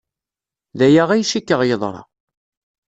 D aya ay cikkeɣ yeḍra.